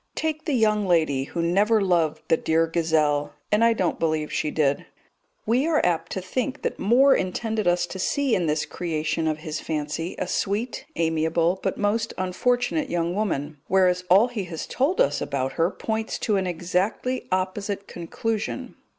Take the young lady who never loved the dear gazelle and I don't believe she did; we are apt to think that Moore intended us to see in this creation of his fancy a sweet, amiable, but most unfortunate young woman, whereas all he has told us about her points to an exactly opposite conclusion.